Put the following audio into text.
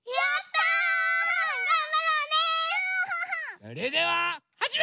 それでははじめ！